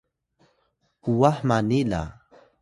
uwah mani la